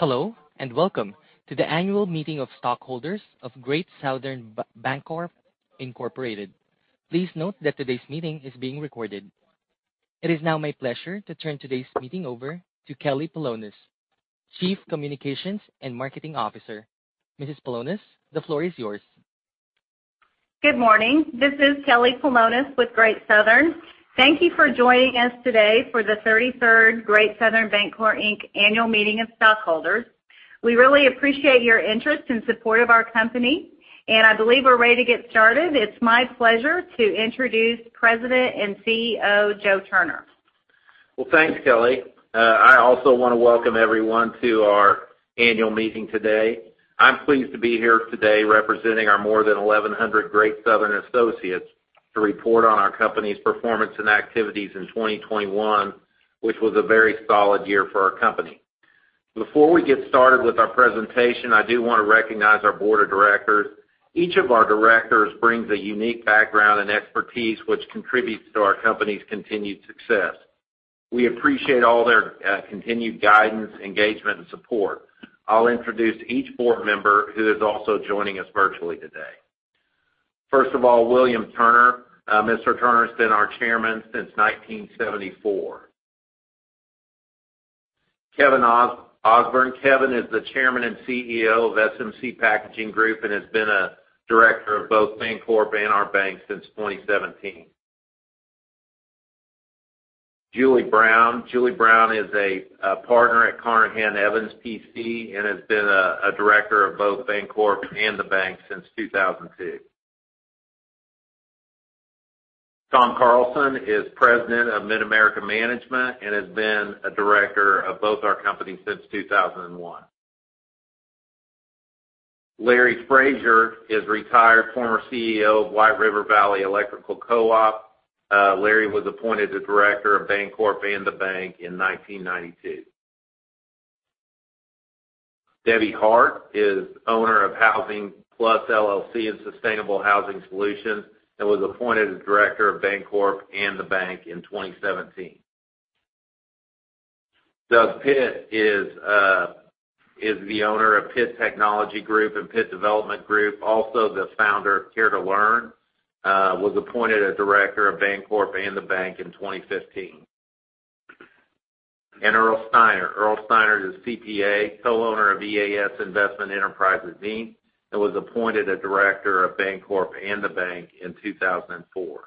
Hello, and welcome to the annual meeting of stockholders of Great Southern Bancorp, Inc. Please note that today's meeting is being recorded. It is now my pleasure to turn today's meeting over to Kelly Polonus, Chief Communications and Marketing Officer. Mrs. Polonus, the floor is yours. Good morning. This is Kelly Polonus with Great Southern. Thank you for joining us today for the 33rd Great Southern Bancorp, Inc. annual meeting of stockholders. We really appreciate your interest and support of our company, and I believe we're ready to get started. It's my pleasure to introduce President and CEO Joe Turner. Well, thanks, Kelly. I also wanna welcome everyone to our annual meeting today. I'm pleased to be here today representing our more than 1,100 Great Southern associates to report on our company's performance and activities in 2021, which was a very solid year for our company. Before we get started with our presentation, I do wanna recognize our board of directors. Each of our directors brings a unique background and expertise which contributes to our company's continued success. We appreciate all their continued guidance, engagement, and support. I'll introduce each board member, who is also joining us virtually today. First of all, William V. Turner. Mr. Turner's been our chairman since 1974. Kevin Ausburn. Kevin is the chairman and CEO of SMC Packaging Group and has been a director of both Bancorp and our bank since 2017. Julie Brown. Julie Brown is a partner at Carnahan Evans PC and has been a director of both Bancorp and the bank since 2002. Tom Carlson is President of Mid America Management and has been a director of both our companies since 2001. Larry D. Frazier is retired former CEO of White River Valley Electric Cooperative. Larry was appointed a director of Bancorp and the bank in 1992. Debbie Hart is owner of Housing Plus LLC and Sustainable Housing Solutions and was appointed as director of Bancorp and the bank in 2017. Doug Pitt is the owner of Pitt Technology Group and Pitt Development Group, also the founder of Care to Learn, was appointed as director of Bancorp and the bank in 2015. Earl Steinert. Earl Steinert is a CPA, co-owner of EAS Investment Enterprises, Inc., and was appointed a director of Bancorp and the bank in 2004.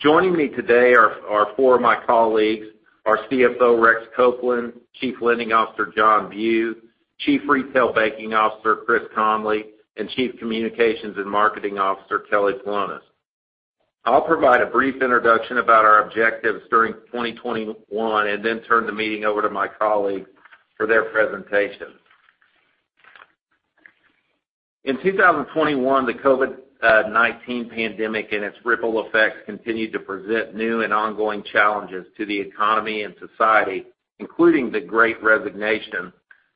Joining me today are four of my colleagues, our CFO, Rex Copeland, Chief Lending Officer, John Bugh, Chief Retail Banking Officer, Kris Conley, and Chief Communications and Marketing Officer, Kelly Polonus. I'll provide a brief introduction about our objectives during 2021 and then turn the meeting over to my colleagues for their presentations. In 2021, the COVID-19 pandemic and its ripple effects continued to present new and ongoing challenges to the economy and society, including the Great Resignation,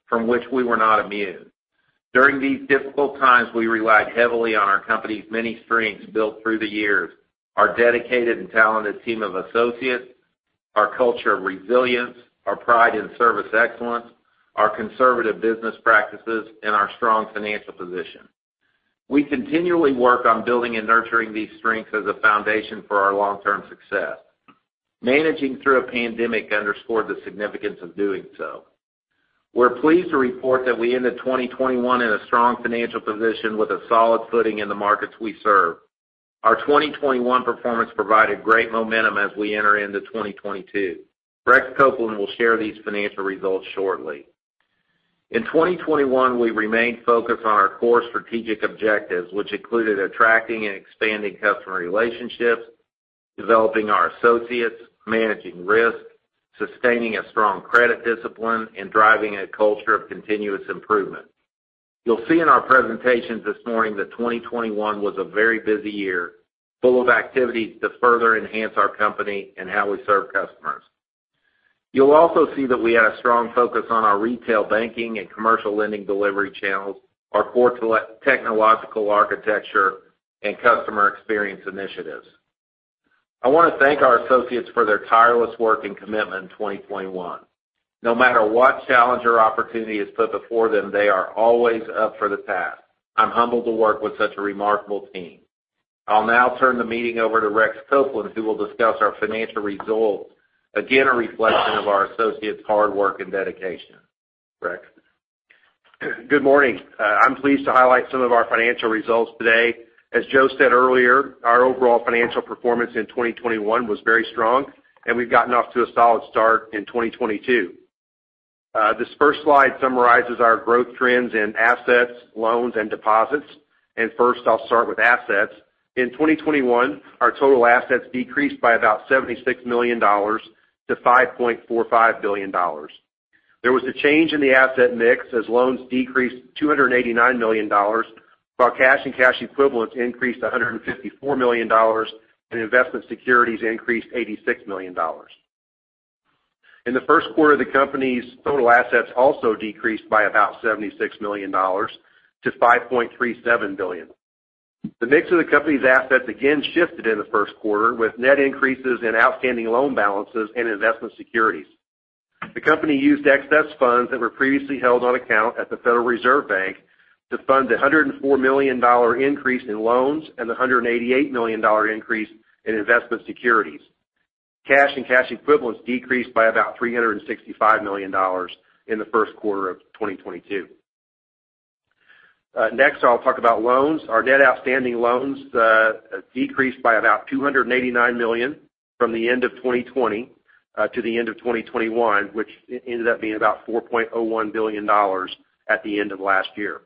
from which we were not immune. During these difficult times, we relied heavily on our company's many strengths built through the years, our dedicated and talented team of associates, our culture of resilience, our pride in service excellence, our conservative business practices, and our strong financial position. We continually work on building and nurturing these strengths as a foundation for our long-term success. Managing through a pandemic underscored the significance of doing so. We're pleased to report that we ended 2021 in a strong financial position with a solid footing in the markets we serve. Our 2021 performance provided great momentum as we enter into 2022. Rex Copeland will share these financial results shortly. In 2021, we remained focused on our core strategic objectives, which included attracting and expanding customer relationships, developing our associates, managing risk, sustaining a strong credit discipline, and driving a culture of continuous improvement. You'll see in our presentations this morning that 2021 was a very busy year, full of activities to further enhance our company and how we serve customers. You'll also see that we had a strong focus on our retail banking and commercial lending delivery channels, our core technological architecture, and customer experience initiatives. I wanna thank our associates for their tireless work and commitment in 2021. No matter what challenge or opportunity is put before them, they are always up for the task. I'm humbled to work with such a remarkable team. I'll now turn the meeting over to Rex Copeland, who will discuss our financial results, again, a reflection of our associates' hard work and dedication. Rex? Good morning. I'm pleased to highlight some of our financial results today. As Joe said earlier, our overall financial performance in 2021 was very strong, and we've gotten off to a solid start in 2022. This first slide summarizes our growth trends in assets, loans, and deposits. First, I'll start with assets. In 2021, our total assets decreased by about $76 million to $5.45 billion. There was a change in the asset mix as loans decreased $289 million, while cash and cash equivalents increased $154 million, and investment securities increased $86 million. In the first quarter, the company's total assets also decreased by about $76 million to $5.37 billion. The mix of the company's assets again shifted in the first quarter, with net increases in outstanding loan balances and investment securities. The company used excess funds that were previously held on account at the Federal Reserve Bank to fund a $104 million increase in loans and a $188 million increase in investment securities. Cash and cash equivalents decreased by about $365 million in the first quarter of 2022. Next, I'll talk about loans. Our net outstanding loans decreased by about $289 million from the end of 2020 to the end of 2021, which ended up being about $4.01 billion at the end of last year.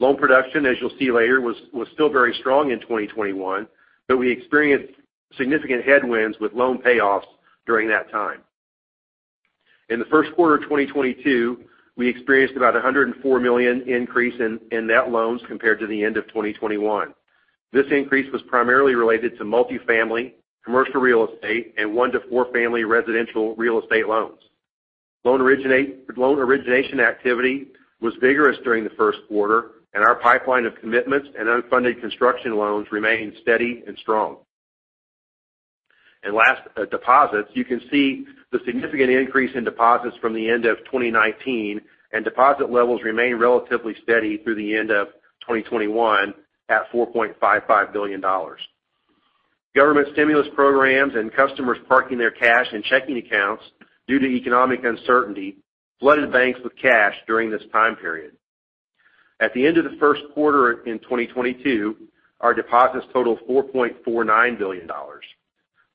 Loan production, as you'll see later, was still very strong in 2021, but we experienced significant headwinds with loan payoffs during that time. In the first quarter of 2022, we experienced about a $104 million increase in net loans compared to the end of 2021. This increase was primarily related to multifamily, commercial real estate, and one to four family residential real estate loans. Loan origination activity was vigorous during the first quarter, and our pipeline of commitments and unfunded construction loans remained steady and strong. Last, deposits. You can see the significant increase in deposits from the end of 2019, and deposit levels remained relatively steady through the end of 2021 at $4.55 billion. Government stimulus programs and customers parking their cash and checking accounts due to economic uncertainty flooded banks with cash during this time period. At the end of the first quarter in 2022, our deposits totaled $4.49 billion.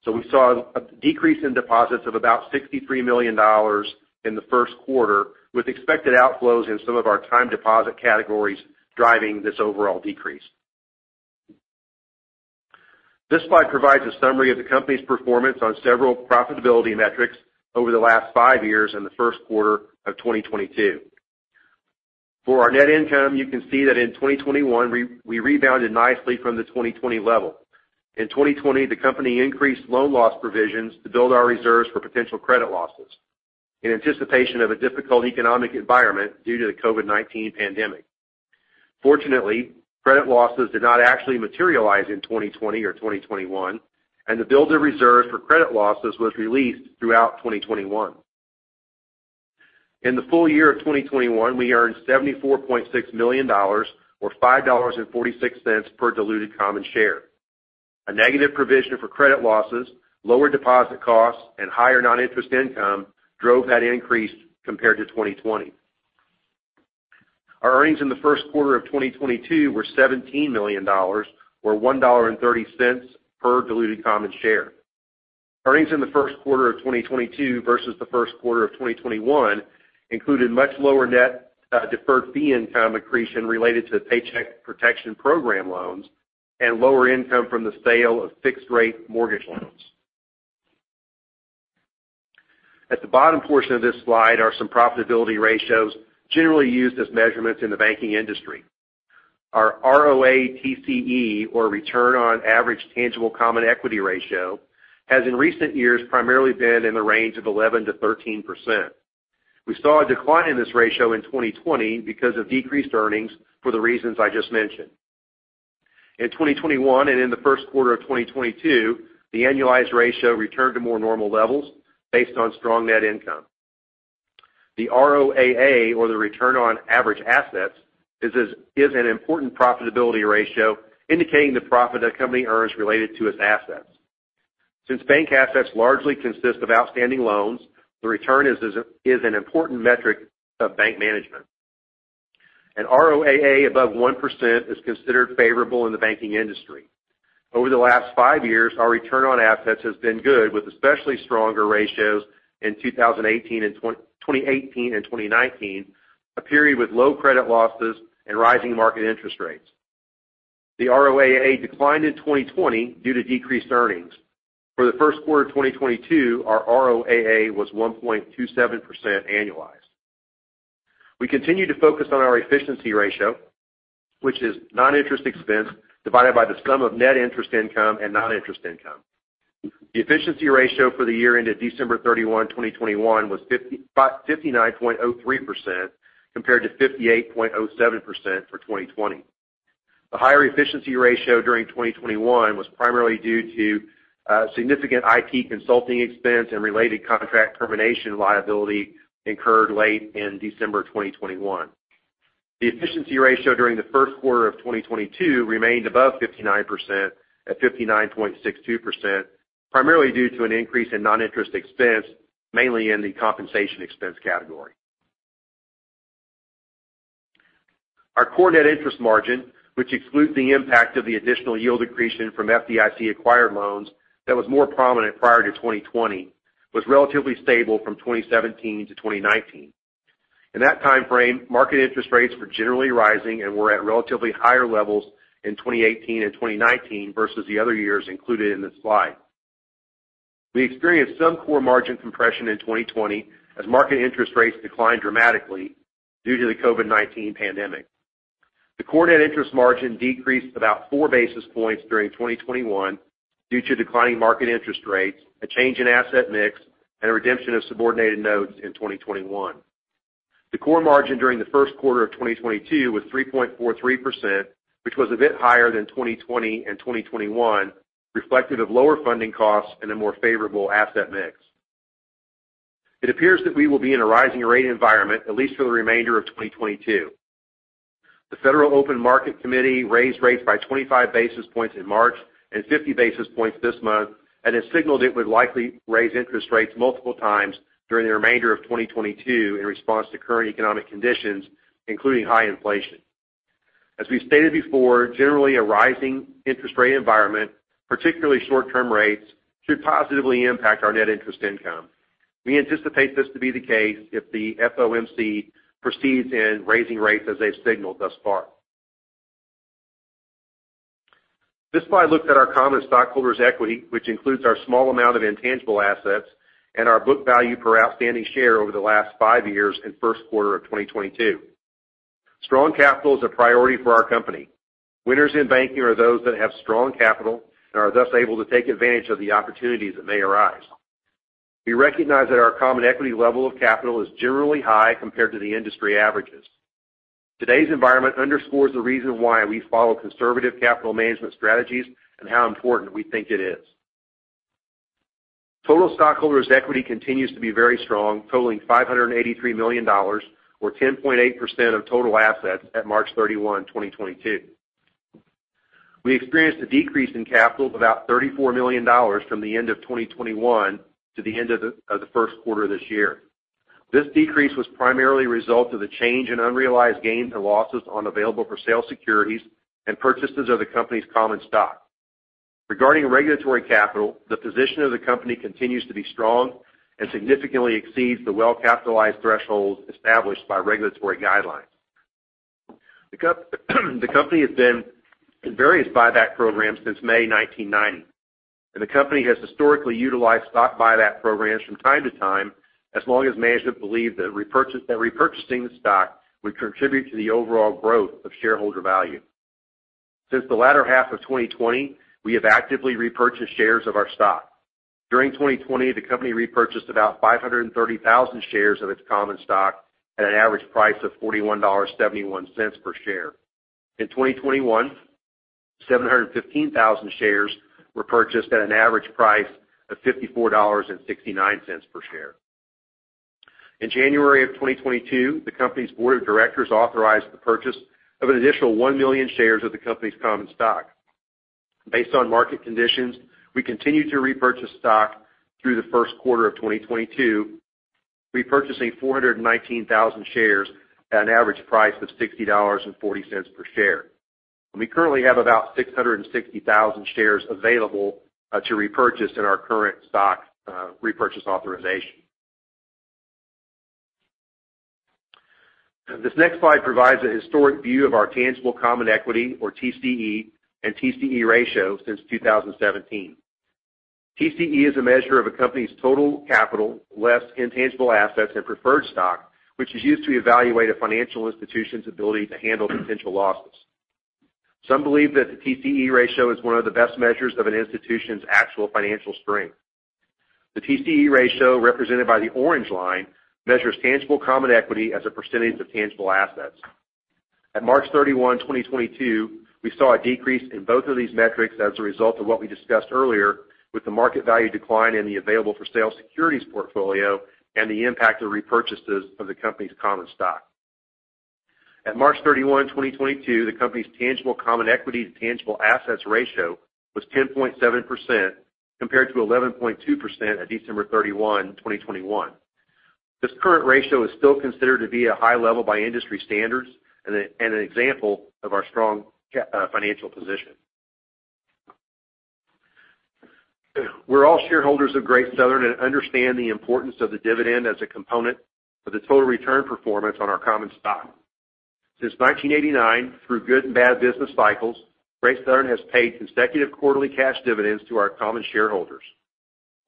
We saw a decrease in deposits of about $63 million in the first quarter, with expected outflows in some of our time deposit categories driving this overall decrease. This slide provides a summary of the company's performance on several profitability metrics over the last five years in the first quarter of 2022. For our net income, you can see that in 2021, we rebounded nicely from the 2020 level. In 2020, the company increased loan loss provisions to build our reserves for potential credit losses in anticipation of a difficult economic environment due to the COVID-19 pandemic. Fortunately, credit losses did not actually materialize in 2020 or 2021, and the build of reserves for credit losses was released throughout 2021. In the full year of 2021, we earned $74.6 million or $5.46 per diluted common share. A negative provision for credit losses, lower deposit costs, and higher non-interest income drove that increase compared to 2020. Our earnings in the first quarter of 2022 were $17 million or $1.30 per diluted common share. Earnings in the first quarter of 2022 versus the first quarter of 2021 included much lower net deferred fee income accretion related to Paycheck Protection Program loans and lower income from the sale of fixed-rate mortgage loans. At the bottom portion of this slide are some profitability ratios generally used as measurements in the banking industry. Our ROATCE, or return on average tangible common equity ratio, has in recent years primarily been in the range of 11%-13%. We saw a decline in this ratio in 2020 because of decreased earnings for the reasons I just mentioned. In 2021 and in the first quarter of 2022, the annualized ratio returned to more normal levels based on strong net income. The ROAA, or the return on average assets, is an important profitability ratio indicating the profit a company earns related to its assets. Since bank assets largely consist of outstanding loans, the return is an important metric of bank management. An ROAA above 1% is considered favorable in the banking industry. Over the last five years, our return on assets has been good, with especially stronger ratios in 2018 and 2019, a period with low credit losses and rising market interest rates. The ROAA declined in 2020 due to decreased earnings. For the first quarter of 2022, our ROAA was 1.27% annualized. We continue to focus on our efficiency ratio, which is non-interest expense divided by the sum of net interest income and non-interest income. The efficiency ratio for the year ended December 31, 2021 was 59.03% compared to 58.07% for 2020. The higher efficiency ratio during 2021 was primarily due to significant IT consulting expense and related contract termination liability incurred late in December of 2021. The efficiency ratio during the first quarter of 2022 remained above 59% at 59.62%, primarily due to an increase in non-interest expense, mainly in the compensation expense category. Our core net interest margin, which excludes the impact of the additional yield accretion from FDIC-acquired loans that was more prominent prior to 2020, was relatively stable from 2017 to 2019. In that timeframe, market interest rates were generally rising and were at relatively higher levels in 2018 and 2019 versus the other years included in this slide. We experienced some core margin compression in 2020 as market interest rates declined dramatically due to the COVID-19 pandemic. The core net interest margin decreased about 4 basis points during 2021 due to declining market interest rates, a change in asset mix, and a redemption of subordinated notes in 2021. The core margin during the first quarter of 2022 was 3.43%, which was a bit higher than 2020 and 2021, reflective of lower funding costs and a more favorable asset mix. It appears that we will be in a rising rate environment, at least for the remainder of 2022. The Federal Open Market Committee raised rates by 25 basis points in March and 50 basis points this month, and has signaled it would likely raise interest rates multiple times during the remainder of 2022 in response to current economic conditions, including high inflation. As we've stated before, generally, a rising interest rate environment, particularly short-term rates, should positively impact our net interest income. We anticipate this to be the case if the FOMC proceeds in raising rates as they've signaled thus far. This slide looks at our common stockholders' equity, which includes our small amount of intangible assets and our book value per outstanding share over the last five years and first quarter of 2022. Strong capital is a priority for our company. Winners in banking are those that have strong capital and are thus able to take advantage of the opportunities that may arise. We recognize that our common equity level of capital is generally high compared to the industry averages. Today's environment underscores the reason why we follow conservative capital management strategies and how important we think it is. Total stockholders' equity continues to be very strong, totaling $583 million or 10.8% of total assets at March 31, 2022. We experienced a decrease in capital of about $34 million from the end of 2021 to the end of the first quarter of this year. This decrease was primarily a result of the change in unrealized gains and losses on available for sale securities and purchases of the company's common stock. Regarding regulatory capital, the position of the company continues to be strong and significantly exceeds the well-capitalized thresholds established by regulatory guidelines. The company has been in various buyback programs since May 1990, and the company has historically utilized stock buyback programs from time to time as long as management believed that repurchasing the stock would contribute to the overall growth of shareholder value. Since the latter half of 2020, we have actively repurchased shares of our stock. During 2020, the company repurchased about 530,000 shares of its common stock at an average price of $41.71 per share. In 2021, 715,000 shares were purchased at an average price of $54.69 per share. In January of 2022, the company's board of directors authorized the purchase of an additional one million shares of the company's common stock. Based on market conditions, we continued to repurchase stock through the first quarter of 2022, repurchasing 419,000 shares at an average price of $60.40 per share. We currently have about 660,000 shares available to repurchase in our current stock repurchase authorization. This next slide provides a historic view of our tangible common equity, or TCE, and TCE ratio since 2017. TCE is a measure of a company's total capital less intangible assets and preferred stock, which is used to evaluate a financial institution's ability to handle potential losses. Some believe that the TCE ratio is one of the best measures of an institution's actual financial strength. The TCE ratio, represented by the orange line, measures tangible common equity as a percentage of tangible assets. At March 31, 2022, we saw a decrease in both of these metrics as a result of what we discussed earlier with the market value decline in the available for sale securities portfolio and the impact of repurchases of the company's common stock. At March 31, 2022, the company's tangible common equity to tangible assets ratio was 10.7%, compared to 11.2% at December 31, 2021. This current ratio is still considered to be a high level by industry standards and an example of our strong financial position. We're all shareholders of Great Southern and understand the importance of the dividend as a component for the total return performance on our common stock. Since 1989, through good and bad business cycles, Great Southern has paid consecutive quarterly cash dividends to our common shareholders.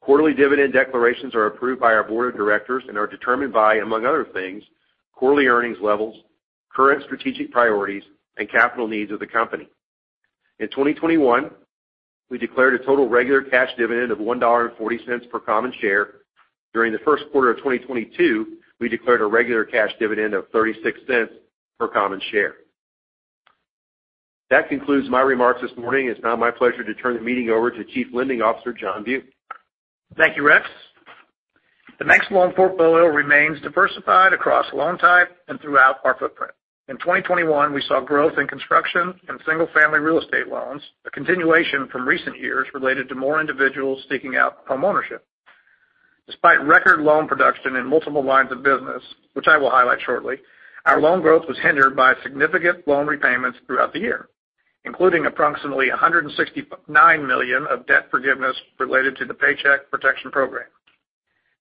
Quarterly dividend declarations are approved by our board of directors and are determined by, among other things, quarterly earnings levels, current strategic priorities, and capital needs of the company. In 2021, we declared a total regular cash dividend of $1.40 per common share. During the first quarter of 2022, we declared a regular cash dividend of $0.36 per common share. That concludes my remarks this morning. It's now my pleasure to turn the meeting over to Chief Lending Officer John Bugh. Thank you, Rex. Our net loan portfolio remains diversified across loan type and throughout our footprint. In 2021, we saw growth in construction and single-family real estate loans, a continuation from recent years related to more individuals seeking out homeownership. Despite record loan production in multiple lines of business, which I will highlight shortly, our loan growth was hindered by significant loan repayments throughout the year, including approximately $169 million of debt forgiveness related to the Paycheck Protection Program.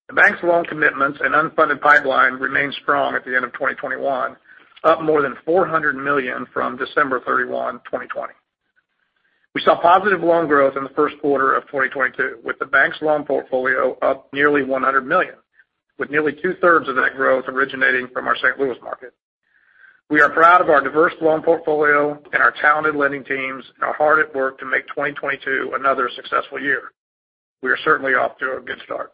The bank's loan commitments and unfunded pipeline remained strong at the end of 2021, up more than $400 million from December 31, 2020. We saw positive loan growth in the first quarter of 2022, with the bank's loan portfolio up nearly $100 million, with nearly 2/3rds of that growth originating from our St. Louis market. We are proud of our diverse loan portfolio and our talented lending teams and are hard at work to make 2022 another successful year. We are certainly off to a good start.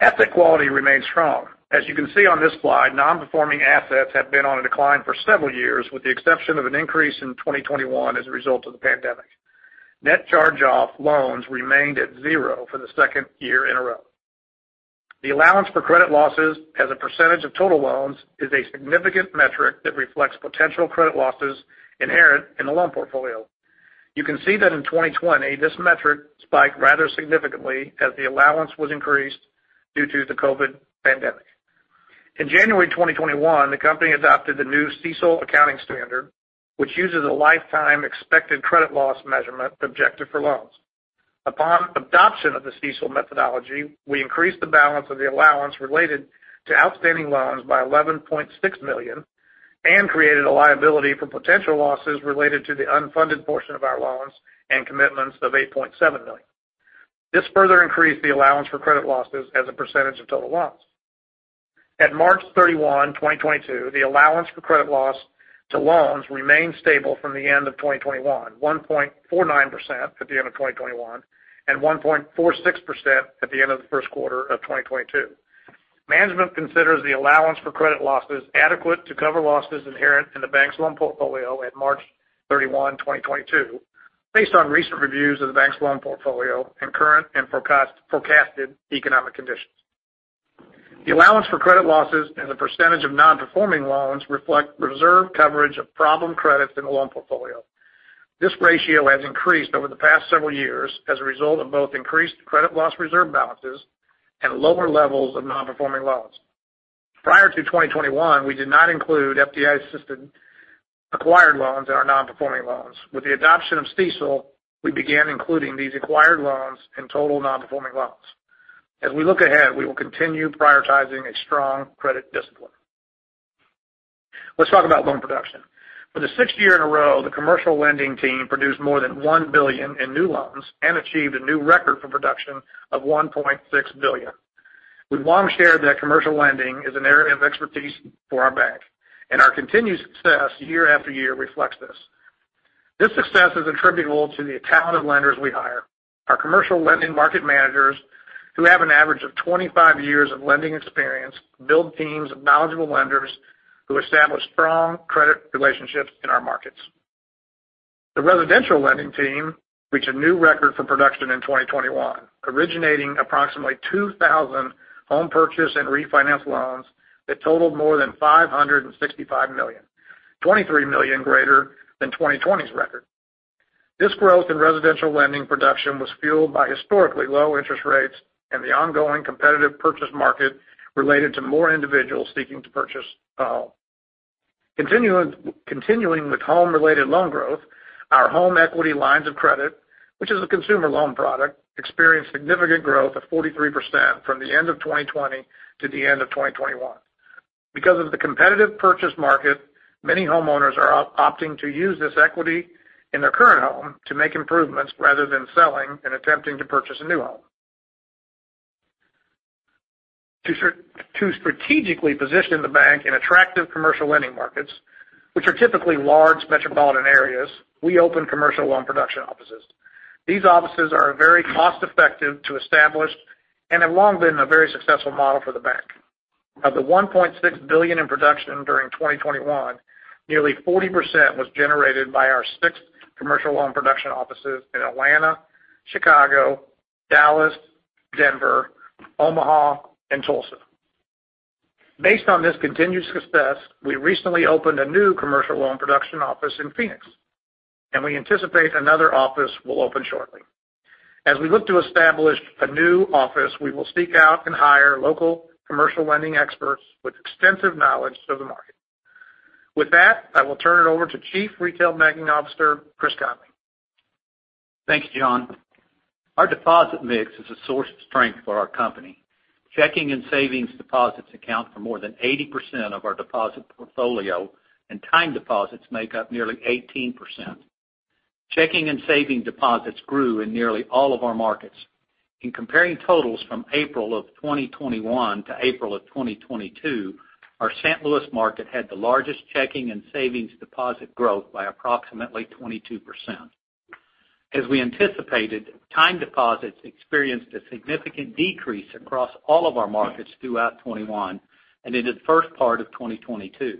Asset quality remains strong. As you can see on this slide, non-performing assets have been on a decline for several years, with the exception of an increase in 2021 as a result of the pandemic. Net charge-off loans remained at zero for the second year in a row. The allowance for credit losses as a percentage of total loans is a significant metric that reflects potential credit losses inherent in the loan portfolio. You can see that in 2020, this metric spiked rather significantly as the allowance was increased due to the COVID pandemic. In January 2021, the company adopted the new CECL accounting standard, which uses a lifetime expected credit loss measurement objective for loans. Upon adoption of the CECL methodology, we increased the balance of the allowance related to outstanding loans by $11.6 million and created a liability for potential losses related to the unfunded portion of our loans and commitments of $8.7 million. This further increased the allowance for credit losses as a percentage of total loans. At March 31, 2022, the allowance for credit loss to loans remained stable from the end of 2021, 1.49% at the end of 2021, and 1.46% at the end of the first quarter of 2022. Management considers the allowance for credit losses adequate to cover losses inherent in the bank's loan portfolio at March 31, 2022, based on recent reviews of the bank's loan portfolio and current and forecasted economic conditions. The allowance for credit losses as a percentage of non-performing loans reflect reserve coverage of problem credits in the loan portfolio. This ratio has increased over the past several years as a result of both increased credit loss reserve balances and lower levels of non-performing loans. Prior to 2021, we did not include FDIC-assisted acquired loans in our non-performing loans. With the adoption of CECL, we began including these acquired loans in total non-performing loans. As we look ahead, we will continue prioritizing a strong credit discipline. Let's talk about loan production. For the sixth year in a row, the commercial lending team produced more than $1 billion in new loans and achieved a new record for production of $1.6 billion. We've long shared that commercial lending is an area of expertise for our bank, and our continued success year after year reflects this. This success is attributable to the talented lenders we hire. Our commercial lending market managers, who have an average of 25 years of lending experience, build teams of knowledgeable lenders who establish strong credit relationships in our markets. The residential lending team reached a new record for production in 2021, originating approximately 2,000 home purchase and refinance loans that totaled more than $565 million, $23 million greater than 2020's record. This growth in residential lending production was fueled by historically low interest rates and the ongoing competitive purchase market related to more individuals seeking to purchase a home. Continuing with home-related loan growth, our home equity lines of credit, which is a consumer loan product, experienced significant growth of 43% from the end of 2020 to the end of 2021. Because of the competitive purchase market, many homeowners are opting to use this equity in their current home to make improvements rather than selling and attempting to purchase a new home. To strategically position the bank in attractive commercial lending markets, which are typically large metropolitan areas, we open commercial loan production offices. These offices are very cost-effective to establish and have long been a very successful model for the bank. Of the $1.6 billion in production during 2021, nearly 40% was generated by our six commercial loan production offices in Atlanta, Chicago, Dallas, Denver, Omaha, and Tulsa. Based on this continued success, we recently opened a new commercial loan production office in Phoenix, and we anticipate another office will open shortly. As we look to establish a new office, we will seek out and hire local commercial lending experts with extensive knowledge of the market. With that, I will turn it over to Chief Retail Banking Officer, Kris Conley. Thanks, John. Our deposit mix is a source of strength for our company. Checking and savings deposits account for more than 80% of our deposit portfolio, and time deposits make up nearly 18%. Checking and savings deposits grew in nearly all of our markets. In comparing totals from April 2021 to April 2022, our St. Louis market had the largest checking and savings deposit growth by approximately 22%. As we anticipated, time deposits experienced a significant decrease across all of our markets throughout 2021 and into the first part of 2022.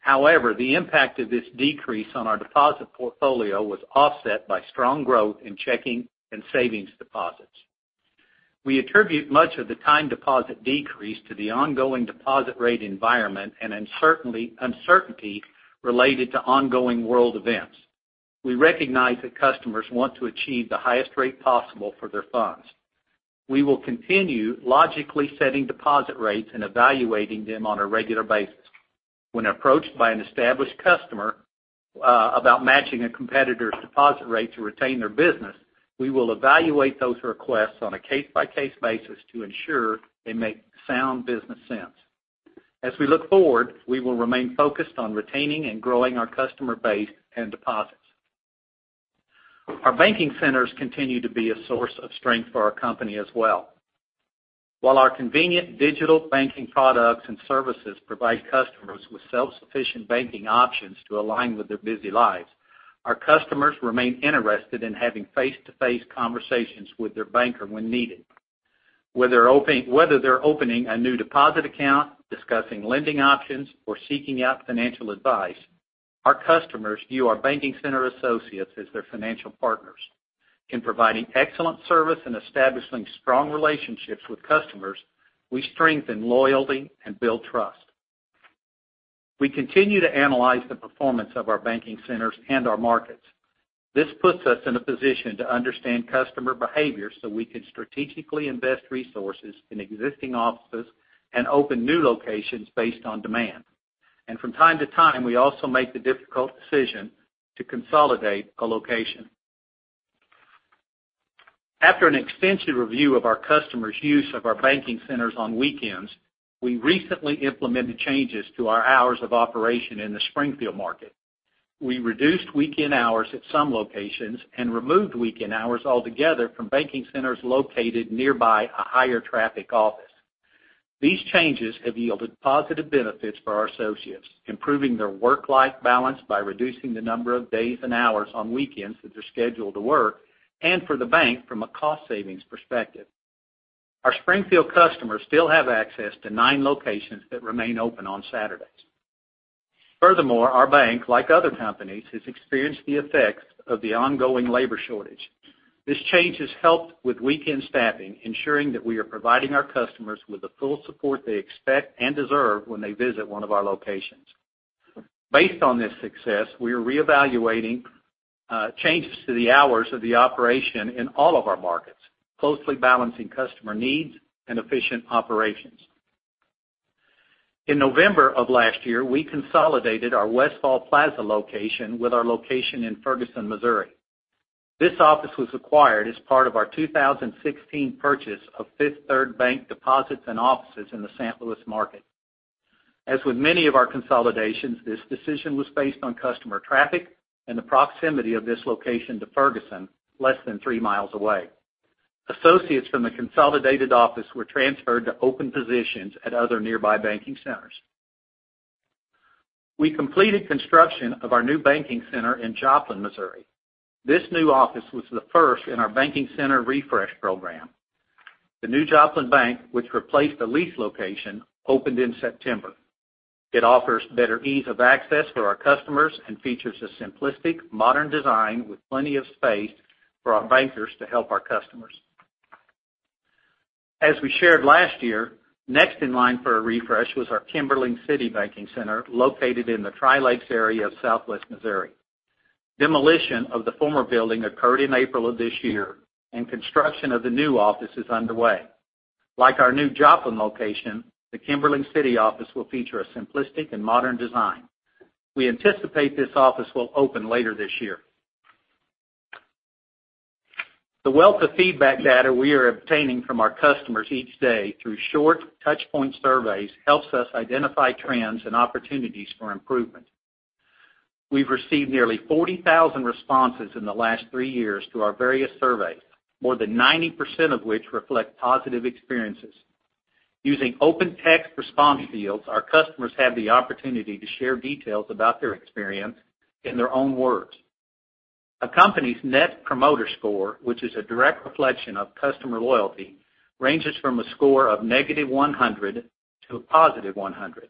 However, the impact of this decrease on our deposit portfolio was offset by strong growth in checking and savings deposits. We attribute much of the time deposit decrease to the ongoing deposit rate environment and uncertainty related to ongoing world events. We recognize that customers want to achieve the highest rate possible for their funds. We will continue logically setting deposit rates and evaluating them on a regular basis. When approached by an established customer, about matching a competitor's deposit rate to retain their business, we will evaluate those requests on a case-by-case basis to ensure they make sound business sense. As we look forward, we will remain focused on retaining and growing our customer base and deposits. Our banking centers continue to be a source of strength for our company as well. While our convenient digital banking products and services provide customers with self-sufficient banking options to align with their busy lives, our customers remain interested in having face-to-face conversations with their banker when needed. Whether they're opening a new deposit account, discussing lending options, or seeking out financial advice, our customers view our banking center associates as their financial partners. In providing excellent service and establishing strong relationships with customers, we strengthen loyalty and build trust. We continue to analyze the performance of our banking centers and our markets. This puts us in a position to understand customer behavior, so we can strategically invest resources in existing offices and open new locations based on demand. From time to time, we also make the difficult decision to consolidate a location. After an extensive review of our customers' use of our banking centers on weekends, we recently implemented changes to our hours of operation in the Springfield market. We reduced weekend hours at some locations and removed weekend hours altogether from banking centers located nearby a higher traffic office. These changes have yielded positive benefits for our associates, improving their work-life balance by reducing the number of days and hours on weekends that they're scheduled to work and for the bank from a cost savings perspective. Our Springfield customers still have access to nine locations that remain open on Saturdays. Furthermore, our bank, like other companies, has experienced the effects of the ongoing labor shortage. This change has helped with weekend staffing, ensuring that we are providing our customers with the full support they expect and deserve when they visit one of our locations. Based on this success, we are reevaluating changes to the hours of the operation in all of our markets, closely balancing customer needs and efficient operations. In November of last year, we consolidated our Westfall Plaza location with our location in Ferguson, Missouri. This office was acquired as part of our 2016 purchase of Fifth Third Bank deposits and offices in the St. Louis market. As with many of our consolidations, this decision was based on customer traffic and the proximity of this location to Ferguson, less than three miles away. Associates from the consolidated office were transferred to open positions at other nearby banking centers. We completed construction of our new banking center in Joplin, Missouri. This new office was the first in our banking center refresh program. The new Joplin bank, which replaced the lease location, opened in September. It offers better ease of access for our customers and features a simplistic modern design with plenty of space for our bankers to help our customers. As we shared last year, next in line for a refresh was our Kimberling City Banking Center located in the Tri-Lakes area of Southwest Missouri. Demolition of the former building occurred in April of this year, and construction of the new office is underway. Like our new Joplin location, the Kimberling City office will feature a simplistic and modern design. We anticipate this office will open later this year. The wealth of feedback data we are obtaining from our customers each day through short touch point surveys helps us identify trends and opportunities for improvement. We've received nearly 40,000 responses in the last three years through our various surveys, more than 90% of which reflect positive experiences. Using open text response fields, our customers have the opportunity to share details about their experience in their own words. A company's Net Promoter Score, which is a direct reflection of customer loyalty, ranges from a score of -100 to 100.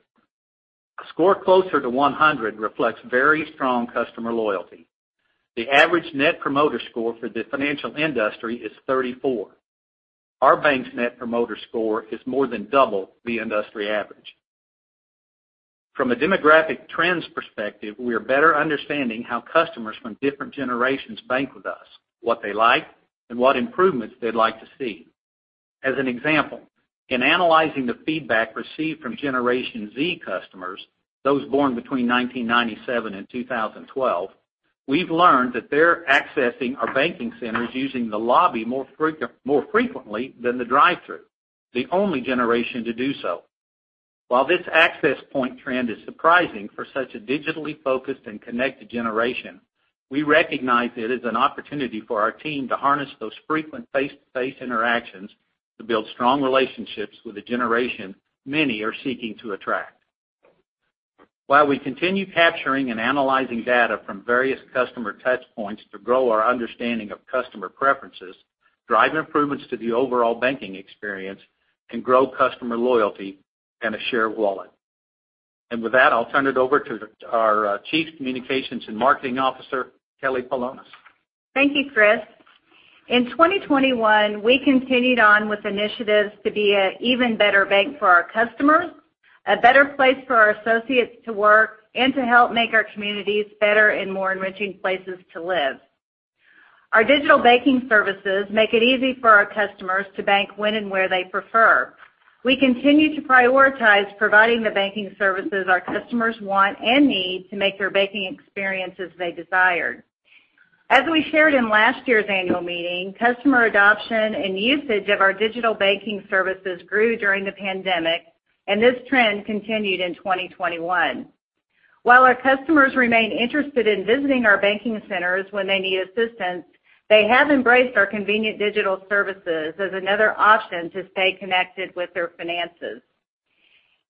A score closer to 100 reflects very strong customer loyalty. The average Net Promoter Score for the financial industry is 34. Our bank's Net Promoter Score is more than double the industry average. From a demographic trends perspective, we are better understanding how customers from different generations bank with us, what they like, and what improvements they'd like to see. As an example, in analyzing the feedback received from Generation Z customers, those born between 1997 and 2012, we've learned that they're accessing our banking centers using the lobby more frequently than the drive-thru, the only generation to do so. While this access point trend is surprising for such a digitally focused and connected generation, we recognize it as an opportunity for our team to harness those frequent face-to-face interactions to build strong relationships with the generation many are seeking to attract. While we continue capturing and analyzing data from various customer touch points to grow our understanding of customer preferences, drive improvements to the overall banking experience, and grow customer loyalty and a share wallet. With that, I'll turn it over to our Chief Communications and Marketing Officer, Kelly Polonus. Thank you, Kris. In 2021, we continued on with initiatives to be an even better bank for our customers, a better place for our associates to work, and to help make our communities better and more enriching places to live. Our digital banking services make it easy for our customers to bank when and where they prefer. We continue to prioritize providing the banking services our customers want and need to make their banking experiences they desire. As we shared in last year's annual meeting, customer adoption and usage of our digital banking services grew during the pandemic, and this trend continued in 2021. While our customers remain interested in visiting our banking centers when they need assistance, they have embraced our convenient digital services as another option to stay connected with their finances.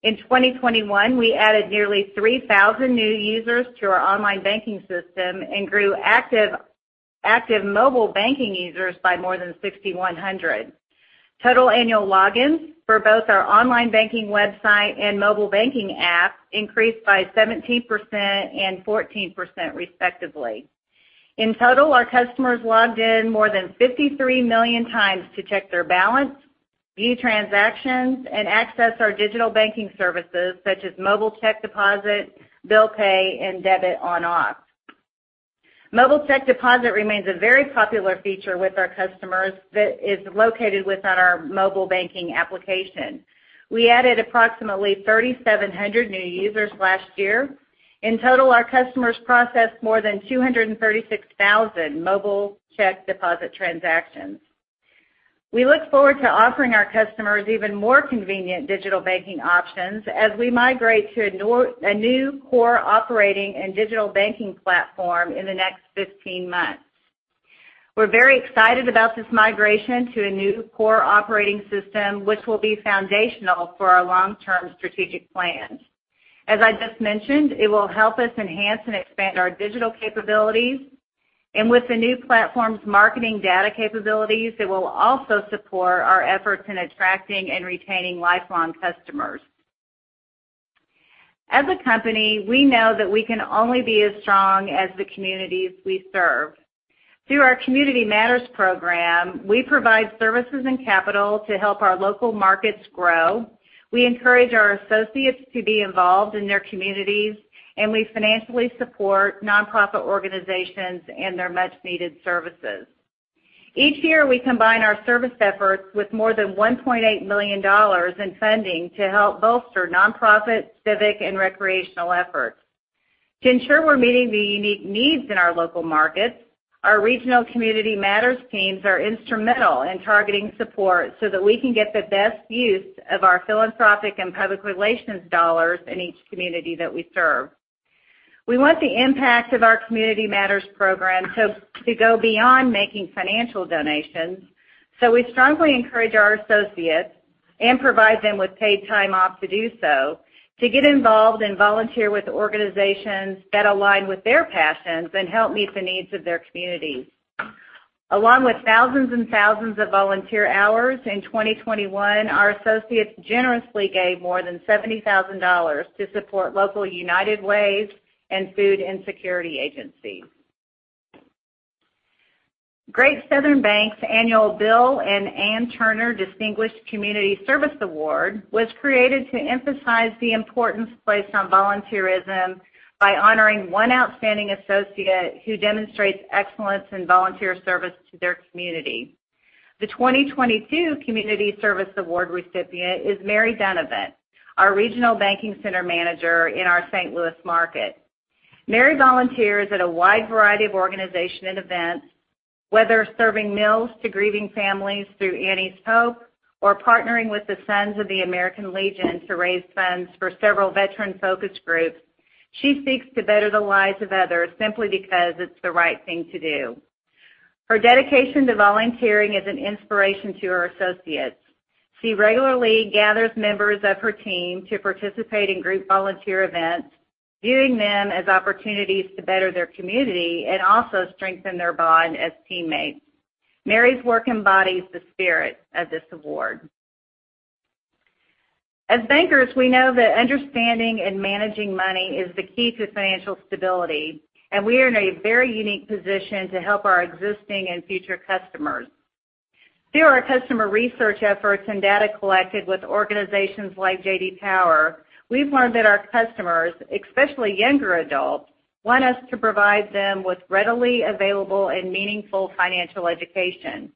In 2021, we added nearly 3,000 new users to our Online Banking system and grew active mobile banking users by more than 6,100. Total annual logins for both our Online Banking website and mobile banking app increased by 17% and 14% respectively. In total, our customers logged in more than 53 million times to check their balance, view transactions, and access our digital banking services such as Mobile Check Deposit, bill pay, and Debit On/Off. Mobile Check Deposit remains a very popular feature with our customers that is located within our mobile banking application. We added approximately 3,700 new users last year. In total, our customers processed more than 236,000 Mobile Check Deposit transactions. We look forward to offering our customers even more convenient digital banking options as we migrate to a new core operating and digital banking platform in the next 15 months. We're very excited about this migration to a new core operating system, which will be foundational for our long-term strategic plans. As I just mentioned, it will help us enhance and expand our digital capabilities, and with the new platform's marketing data capabilities, it will also support our efforts in attracting and retaining lifelong customers. As a company, we know that we can only be as strong as the communities we serve. Through our Community Matters program, we provide services and capital to help our local markets grow. We encourage our associates to be involved in their communities, and we financially support nonprofit organizations and their much-needed services. Each year, we combine our service efforts with more than $1.8 million in funding to help bolster nonprofit, civic, and recreational efforts. To ensure we're meeting the unique needs in our local markets, our regional Community Matters teams are instrumental in targeting support so that we can get the best use of our philanthropic and public relations dollars in each community that we serve. We want the impact of our Community Matters program to go beyond making financial donations, so we strongly encourage our associates and provide them with paid time off to do so, to get involved and volunteer with organizations that align with their passions and help meet the needs of their communities. Along with thousands and thousands of volunteer hours, in 2021, our associates generously gave more than $70,000 to support local United Ways and food insecurity agencies. Great Southern Bank's annual Bill and Ann Turner Distinguished Community Service Award was created to emphasize the importance placed on volunteerism by honoring one outstanding associate who demonstrates excellence in volunteer service to their community. The 2022 community service award recipient is Mary Dunavant, our regional banking center manager in our St. Louis market. Mary volunteers at a wide variety of organizations and events, whether serving meals to grieving families through Annie's Hope or partnering with the Sons of the American Legion to raise funds for several veteran-focused groups. She seeks to better the lives of others simply because it's the right thing to do. Her dedication to volunteering is an inspiration to her associates. She regularly gathers members of her team to participate in group volunteer events, viewing them as opportunities to better their community and also strengthen their bond as teammates. Mary's work embodies the spirit of this award. As bankers, we know that understanding and managing money is the key to financial stability, and we are in a very unique position to help our existing and future customers. Through our customer research efforts and data collected with organizations like J.D. Power, we've learned that our customers, especially younger adults, want us to provide them with readily available and meaningful financial education.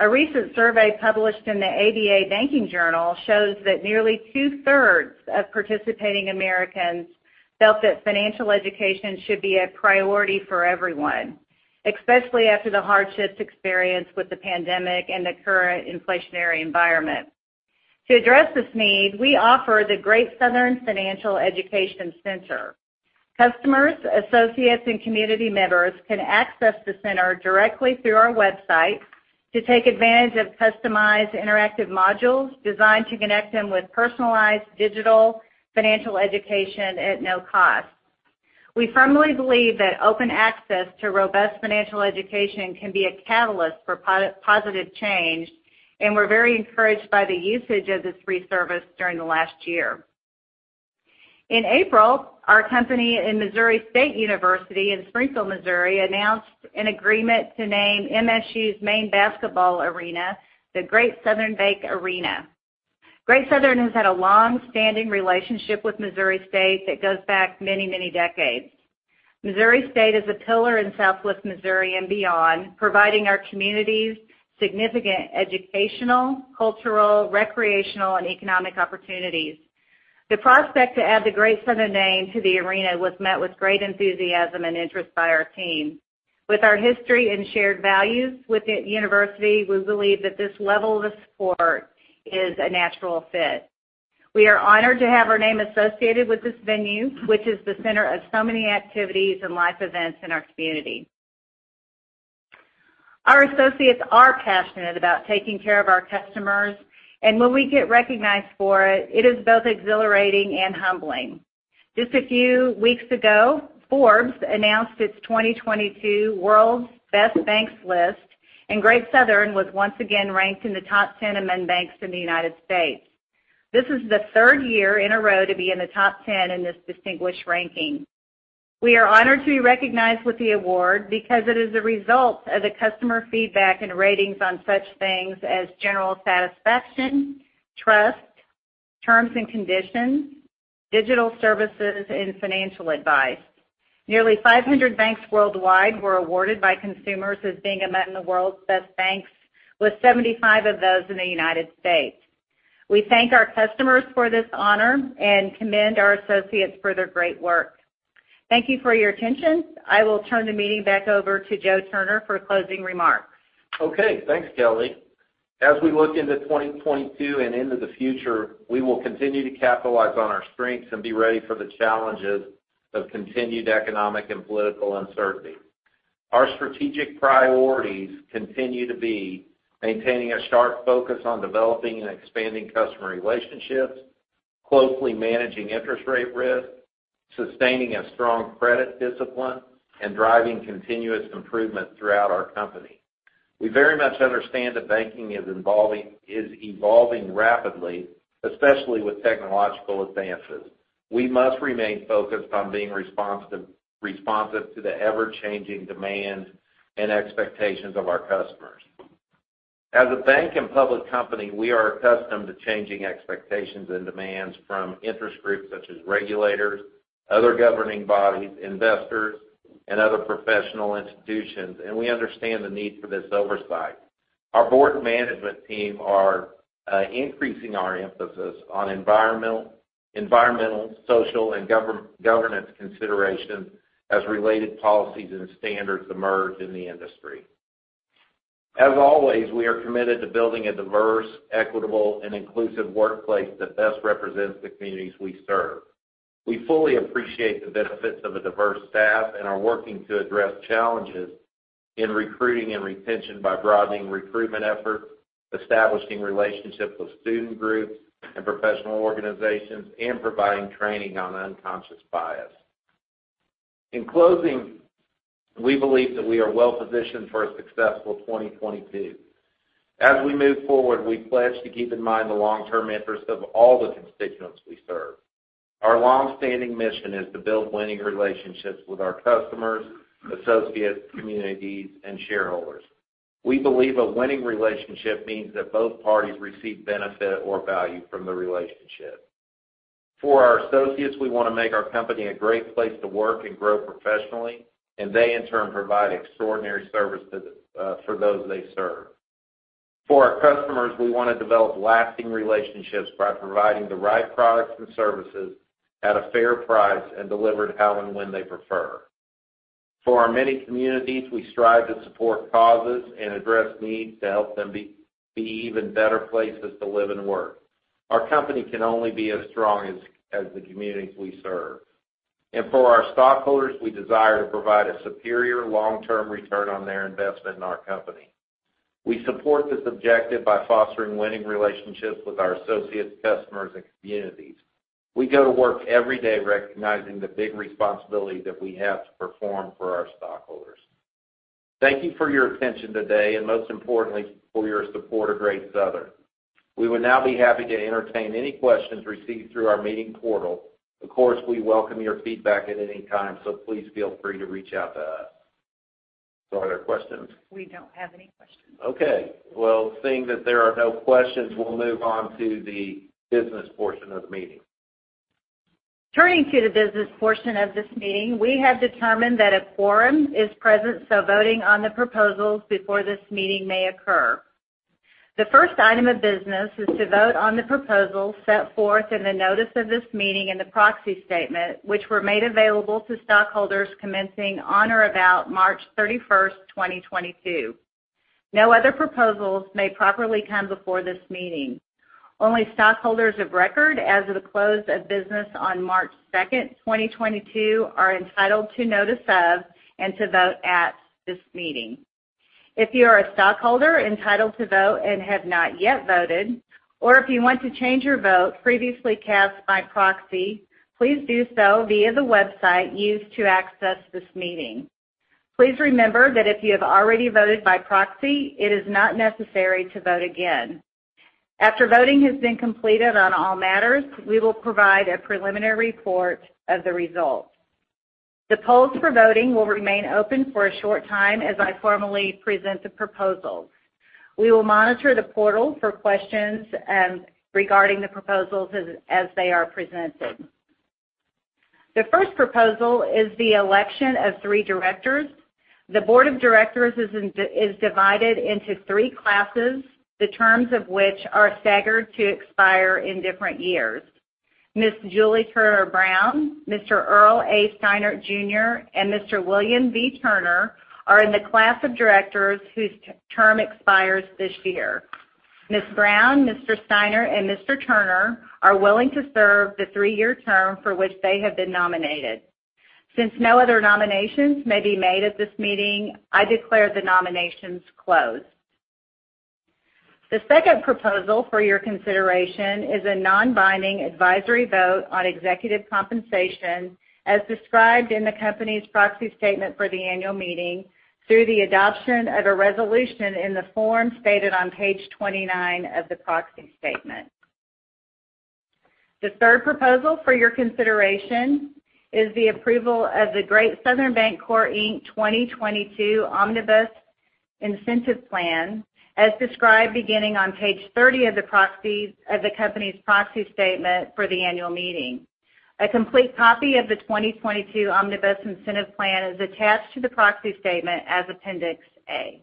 A recent survey published in the ABA Banking Journal shows that nearly two-thirds of participating Americans felt that financial education should be a priority for everyone, especially after the hardships experienced with the pandemic and the current inflationary environment. To address this need, we offer the Great Southern Financial Education Center. Customers, associates, and community members can access the center directly through our website to take advantage of customized interactive modules designed to connect them with personalized digital financial education at no cost. We firmly believe that open access to robust financial education can be a catalyst for positive change, and we're very encouraged by the usage of this free service during the last year. In April, our company and Missouri State University in Springfield, Missouri, announced an agreement to name MSU's main basketball arena the Great Southern Bank Arena. Great Southern has had a long-standing relationship with Missouri State that goes back many, many decades. Missouri State is a pillar in Southwest Missouri and beyond, providing our communities significant educational, cultural, recreational, and economic opportunities. The prospect to add the Great Southern name to the arena was met with great enthusiasm and interest by our team. With our history and shared values with the university, we believe that this level of support is a natural fit. We are honored to have our name associated with this venue, which is the center of so many activities and life events in our community. Our associates are passionate about taking care of our customers, and when we get recognized for it is both exhilarating and humbling. Just a few weeks ago, Forbes announced its 2022 World's Best Banks list, and Great Southern was once again ranked in the top 10 among banks in the United States. This is the third year in a row to be in the top 10 in this distinguished ranking. We are honored to be recognized with the award because it is a result of the customer feedback and ratings on such things as general satisfaction, trust, terms and conditions, digital services, and financial advice. Nearly 500 banks worldwide were awarded by consumers as being among the World's Best Banks, with 75 of those in the United States. We thank our customers for this honor and commend our associates for their great work. Thank you for your attention. I will turn the meeting back over to Joe Turner for closing remarks. Okay. Thanks, Kelly. As we look into 2022 and into the future, we will continue to capitalize on our strengths and be ready for the challenges of continued economic and political uncertainty. Our strategic priorities continue to be maintaining a sharp focus on developing and expanding customer relationships, closely managing interest rate risk, sustaining a strong credit discipline, and driving continuous improvement throughout our company. We very much understand that banking is evolving rapidly, especially with technological advances. We must remain focused on being responsive to the ever-changing demands and expectations of our customers. As a bank and public company, we are accustomed to changing expectations and demands from interest groups such as regulators, other governing bodies, investors, and other professional institutions, and we understand the need for this oversight. Our board and management team are increasing our emphasis on environmental, social, and governance considerations as related policies and standards emerge in the industry. As always, we are committed to building a diverse, equitable, and inclusive workplace that best represents the communities we serve. We fully appreciate the benefits of a diverse staff and are working to address challenges in recruiting and retention by broadening recruitment efforts, establishing relationships with student groups and professional organizations, and providing training on unconscious bias. In closing, we believe that we are well positioned for a successful 2022. As we move forward, we pledge to keep in mind the long-term interests of all the constituents we serve. Our long-standing mission is to build winning relationships with our customers, associates, communities, and shareholders. We believe a winning relationship means that both parties receive benefit or value from the relationship. For our associates, we want to make our company a great place to work and grow professionally, and they in turn provide extraordinary service to the, for those they serve. For our customers, we want to develop lasting relationships by providing the right products and services at a fair price and delivered how and when they prefer. For our many communities, we strive to support causes and address needs to help them be even better places to live and work. Our company can only be as strong as the communities we serve. For our stockholders, we desire to provide a superior long-term return on their investment in our company. We support this objective by fostering winning relationships with our associates, customers, and communities. We go to work every day recognizing the big responsibility that we have to perform for our stockholders. Thank you for your attention today, and most importantly, for your support of Great Southern. We would now be happy to entertain any questions received through our meeting portal. Of course, we welcome your feedback at any time, so please feel free to reach out to us. Are there questions? We don't have any questions. Okay. Well, seeing that there are no questions, we'll move on to the business portion of the meeting. Turning to the business portion of this meeting, we have determined that a quorum is present, so voting on the proposals before this meeting may occur. The first item of business is to vote on the proposals set forth in the notice of this meeting and the proxy statement, which were made available to stockholders commencing on or about March 31st, 2022. No other proposals may properly come before this meeting. Only stockholders of record as of the close of business on March 2nd, 2022 are entitled to notice of and to vote at this meeting. If you are a stockholder entitled to vote and have not yet voted, or if you want to change your vote previously cast by proxy, please do so via the website used to access this meeting. Please remember that if you have already voted by proxy, it is not necessary to vote again. After voting has been completed on all matters, we will provide a preliminary report of the results. The polls for voting will remain open for a short time as I formally present the proposals. We will monitor the portal for questions regarding the proposals as they are presented. The first proposal is the election of three directors. The board of directors is divided into three classes, the terms of which are staggered to expire in different years. Ms. Julie Turner Brown, Mr. Earl A. Steinert., and Mr. William V. Turner are in the class of directors whose term expires this year. Ms. Brown, Mr. Steinert, and Mr. Turner are willing to serve the three-year term for which they have been nominated. Since no other nominations may be made at this meeting, I declare the nominations closed. The second proposal for your consideration is a non-binding advisory vote on executive compensation as described in the company's proxy statement for the annual meeting through the adoption of a resolution in the form stated on page 29 of the proxy statement. The third proposal for your consideration is the approval of the Great Southern Bancorp, Inc. 2022 Omnibus Incentive Plan as described beginning on page 30 of the company's proxy statement for the annual meeting. A complete copy of the 2022 Omnibus Incentive Plan is attached to the proxy statement as Appendix A.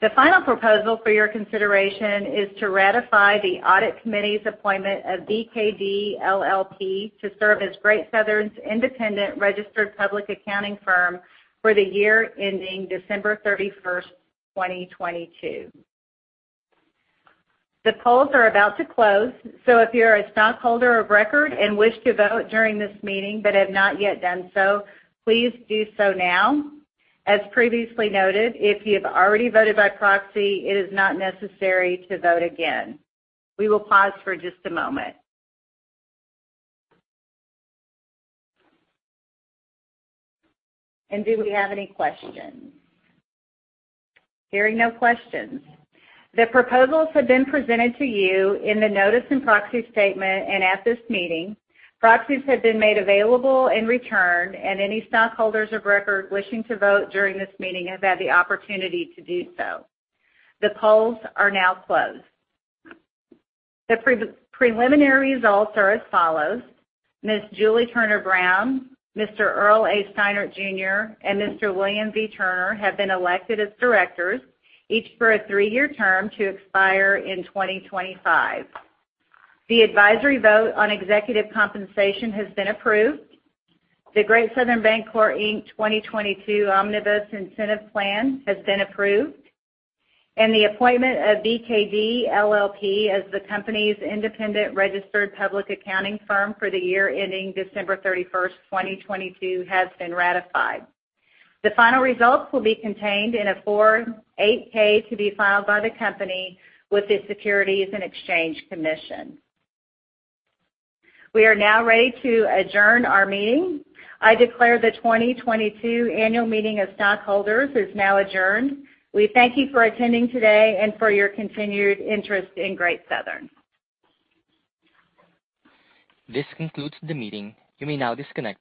The final proposal for your consideration is to ratify the Audit Committee's appointment of BKD LLP to serve as Great Southern's independent registered public accounting firm for the year ending December 31, 2022. The polls are about to close, so if you're a stockholder of record and wish to vote during this meeting but have not yet done so, please do so now. As previously noted, if you've already voted by proxy, it is not necessary to vote again. We will pause for just a moment. Do we have any questions? Hearing no questions. The proposals have been presented to you in the notice and proxy statement and at this meeting. Proxies have been made available in turn, and any stockholders of record wishing to vote during this meeting have had the opportunity to do so. The polls are now closed. The preliminary results are as follows: Ms. Julie Turner Brown, Mr. Earl A. Steinert., and Mr. William V. Turner have been elected as directors, each for a three-year term to expire in 2025. The advisory vote on executive compensation has been approved. The Great Southern Bancorp, Inc. 2022 Omnibus Incentive Plan has been approved. The appointment of BKD LLP as the company's independent registered public accounting firm for the year ending December 31st, 2022, has been ratified. The final results will be contained in a Form 8-K to be filed by the company with the Securities and Exchange Commission. We are now ready to adjourn our meeting. I declare the 2022 annual meeting of stockholders is now adjourned. We thank you for attending today and for your continued interest in Great Southern. This concludes the meeting. You may now disconnect.